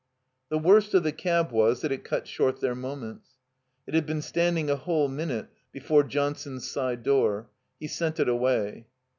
The worst of the cab was that it cut short their moments. It had been standing a whole minute before John son's side door. He sent it away.